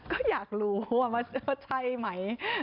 ก็อยากรู้ว่าใช่ไหม